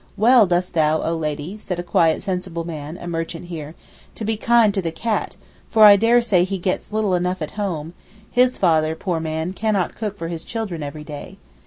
'Well dost thou, oh Lady,' said a quiet, sensible man, a merchant here, 'to be kind to the cat, for I dare say he gets little enough at home; his father, poor man, cannot cook for his children every day.